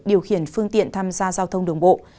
điều khiển phương tiện tham gia giao thông đường bộ